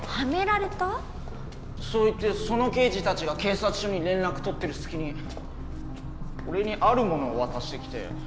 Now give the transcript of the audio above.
そう言ってその刑事たちが警察署に連絡取ってる隙に俺にあるものを渡してきて。